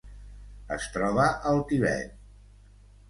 Es troba al Tibet.